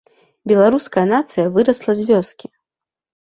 Беларуская нацыя вырасла з вёскі.